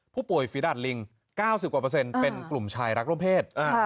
ฝีดัดลิง๙๐กว่าเปอร์เซ็นต์เป็นกลุ่มชายรักร่วมเพศ